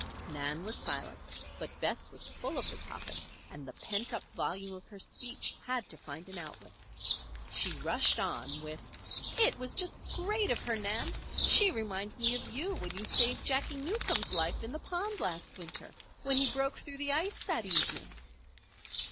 Nan was silent; but Bess was full of the topic and the pent up volume of her speech had to find an outlet. She rushed on with: "It was just great of her, Nan! She reminds me of you when you saved Jacky Newcomb's life in the pond last winter when he broke through the ice that evening."